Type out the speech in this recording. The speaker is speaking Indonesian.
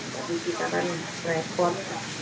tapi kita kan record